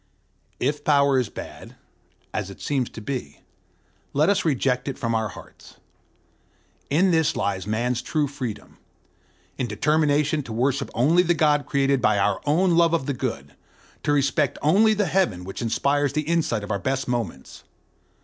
If Power is bad, as it seems to be, let us reject it from our hearts. In this lies Man's true freedom: in determination to worship only the God created by our own love of the good, to respect only the heaven which inspires the insight of our best moments.